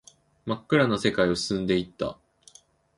真っ暗な世界を進んでいった